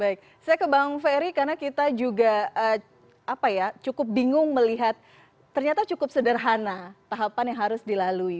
baik saya ke bang ferry karena kita juga cukup bingung melihat ternyata cukup sederhana tahapan yang harus dilalui